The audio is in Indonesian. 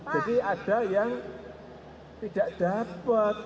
jadi ada yang tidak dapat